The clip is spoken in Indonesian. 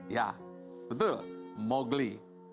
ya betul mowgli